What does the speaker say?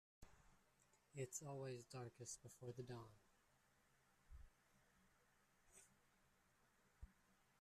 It's always darkest before the dawn.